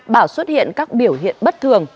bảo xuất hiện các biểu hiện bất thường